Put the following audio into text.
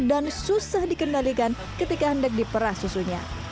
dan susah dikendalikan ketika hendak diperah susunya